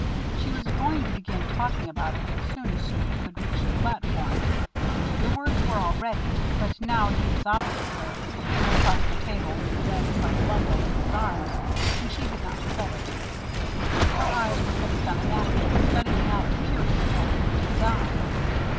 She was going to begin talking about it as soon as he should reach the platform. The words were all ready, but now he was opposite her, looking across the table with the red and white bundle in his arms, and she had not said it. Her eyes were fixed on a napkin, studying out the curious Japanese design.